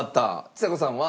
ちさ子さんは？